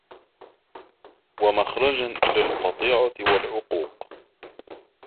وَمَخْرَجًا إلَى الْقَطِيعَةِ وَالْعُقُوقِ